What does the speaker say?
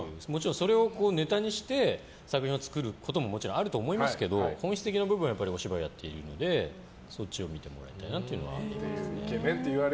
それをネタにして作品を作ることももちろんあると思いますけど本質的な部分はお芝居をやってるのでそっちを見てもらいたいなというのは。